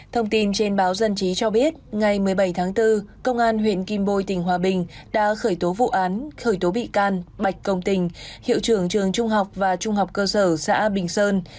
thông tin trên báo dân trí cho biết ngày một mươi bảy tháng bốn công an huyện kim bôi tỉnh hòa bình đã khởi tố vụ án khởi tố bị can bạch công tình hiệu trưởng trường trung học và trung học cơ sở xã bình sơn